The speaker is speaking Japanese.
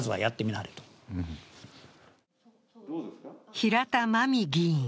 平田真実議員。